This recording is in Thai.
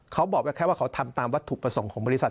เขาบอกแค่ว่าเขาทำตามวัตถุประสงค์ของบริษัท